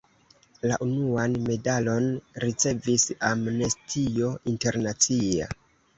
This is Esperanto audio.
La unuan medalon ricevis Amnestio Internacia.